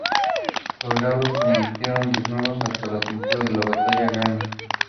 Los Galos combatieron desnudos hasta la cintura en la batalla de Cannas.